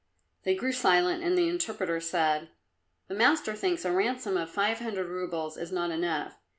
They grew silent and the interpreter said, "The master thinks a ransom of five hundred roubles is not enough.